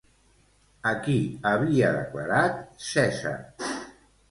A qui havia declarat cèsar?